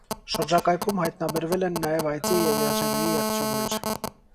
Շրջակայքում հայտնաբերվել են նաև այծի և եղջերուի եղջյուրներ։